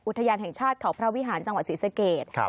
อุทยานแห่งชาติเขาพระวิหารจังหวัดศรีสเกต